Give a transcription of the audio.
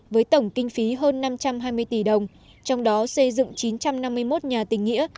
với tổng kinh phí hơn năm trăm hai mươi tỷ đồng trong đó xây dựng chín trăm năm mươi một nhà tình nghĩa